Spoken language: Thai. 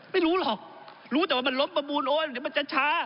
ไม่รู้หรอกรู้แต่ว่ามันลบประมูลโอนเดี๋ยวมันจะช้า